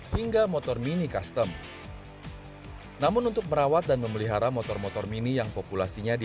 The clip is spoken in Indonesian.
hingga motor mini custom namun untuk merawat dan memelihara motor motor mini yang populasinya di